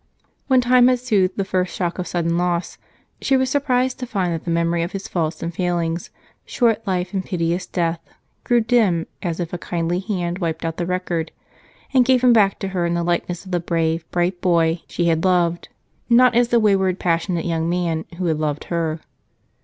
When time had soothed the first shock of sudden loss, she was surprised to find the memory of his faults and failings, short life and piteous death, grew dim, as if a kindly hand had wiped out the record and given him back to her in the likeness of the brave, bright boy she had loved, not as the wayward, passionate young man who had loved her.